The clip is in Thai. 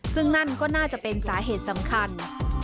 ซึ่งนั่นก็น่าจะเป็นสาเหตุสำคัญ